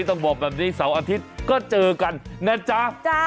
ต้องบอกแบบนี้เจอกันแนะจะ